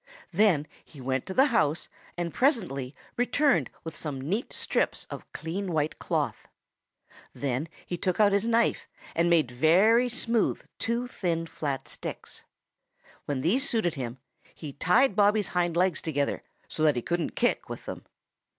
Then he went to the house and presently returned with some neat strips of clean white cloth. Then he took out his knife and made very smooth two thin, flat sticks. When these suited him, he tied Bobby's hind legs together so that he couldn't kick with them.